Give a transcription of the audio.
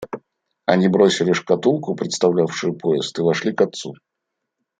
Они бросили шкатулку, представлявшую поезд, и вошли к отцу.